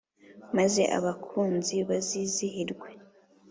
maze abakunzi bazizihirwe